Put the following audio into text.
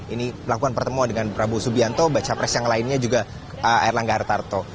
ini melakukan pertemuan dengan prabowo subianto baca pres yang lainnya juga erlangga hartarto